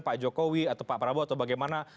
pak jokowi atau pak prabowo atau bagaimana